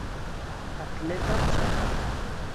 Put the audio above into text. Atleta checo.